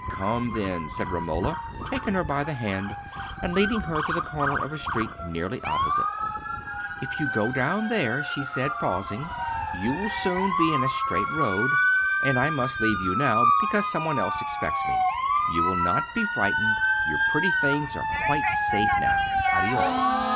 "Come, then," said Romola, taking her by the hand and leading her to the corner of a street nearly opposite. "If you go down there," she said, pausing, "you will soon be in a straight road. And I must leave you now, because some one else expects me. You will not be frightened. Your pretty things are quite safe now. Addio."